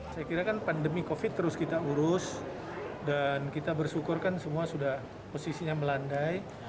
saya kira kan pandemi covid terus kita urus dan kita bersyukur kan semua sudah posisinya melandai